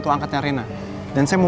terima kasih bu